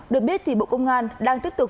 được biết thì bộ công an đang tiếp tục